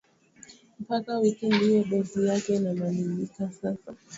mpaka wiki Ndio dozi yake inamalizika Sasa ile ilikuwa kama pumu na dawa yake